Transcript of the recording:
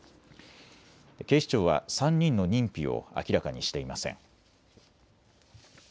警視庁は３人の認否を明らかにしていません。